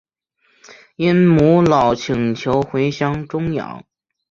因母老请求回乡终养。